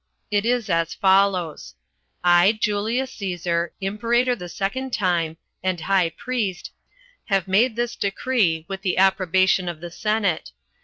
It is as follows: I Julius Cæsar, imperator the second time, and high priest, have made this decree, with the approbation of the senate.